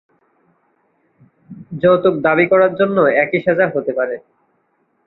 যৌতুক দাবী করার জন্যও একই সাজা হতে পারে।